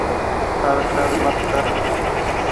ٺڙ ٺڙ مت ڪر ۔